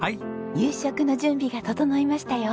夕食の準備が整いましたよ。